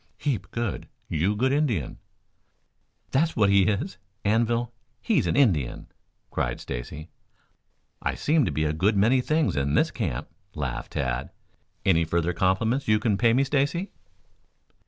"Heap good. You good Indian." "That's what he is, Anvil, he's an Indian," cried Stacy. "I seem to be a good many things in this camp," laughed Tad. "Any further compliments you can pay me, Stacy?"